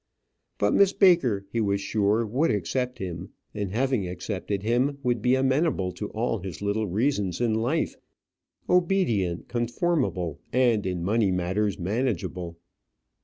But Miss Baker, he was sure, would accept him; and having accepted him, would be amenable to all his little reasons in life, obedient, conformable, and, in money matters, manageable.